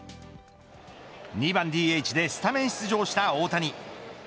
２番ＤＨでスタメン出場した大谷。